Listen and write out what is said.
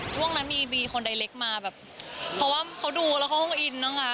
ช่วงนั้นมีบีคนใดเล็กมาแบบเพราะว่าเขาดูแล้วเขาคงอินนะคะ